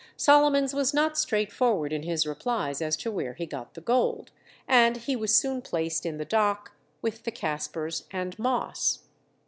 Solomons was not straightforward in his replies as to where he got the gold, and he was soon placed in the dock with the Caspars and Moss.